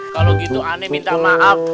kalau gitu aneh minta maaf